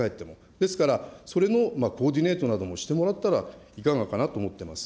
ですから、それもコーディネートなどもしてもらったらいかがかなと思ってます。